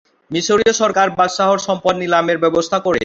মিশরীয় সরকার বাদশাহর সম্পদ নিলামের ব্যবস্থা করে।